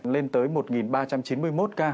lên tới một ba trăm chín mươi một ca